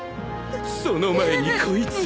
その前にこいつは。